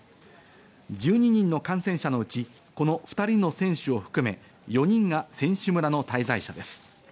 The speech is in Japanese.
１２人の感染者のうち、この２人の選手を含め４人が選手村の滞在者です。